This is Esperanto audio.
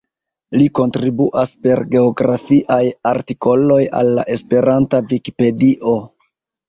Li kontribuas per geografiaj artikoloj al la Esperanta Vikipedio.